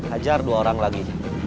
ajar dua orang lagi